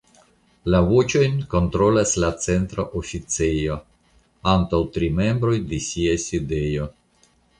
La voĉojn kontrolas la Centra Oficejo, antaŭ tri membroj de sia sidejo.